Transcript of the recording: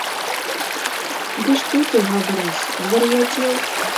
- Ды што ты, Габрусь, звар'яцеў?